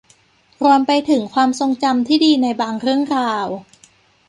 รวมไปถึงความทรงจำที่ดีในบางเรื่องราว